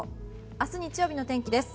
明日日曜日の天気です。